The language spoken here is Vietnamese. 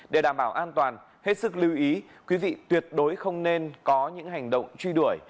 để đảm bảo an toàn hết sức lưu ý quý vị tuyệt đối không nên có những hành động truy đuổi